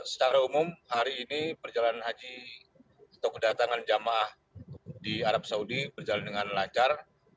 secara umum hari ini perjalanan haji atau kedatangan jamaah di arab saudi berjalan dengan lancar